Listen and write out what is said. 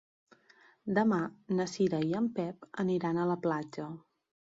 Demà na Cira i en Pep aniran a la platja.